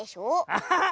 アッハハ！